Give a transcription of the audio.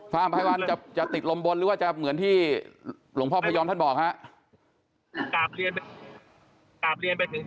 พระอำหาปฏิษฐานจะติดลมบนหรือว่าจะเหมือนที่หลวงพ่อพระยอมท่านบอกนะครับ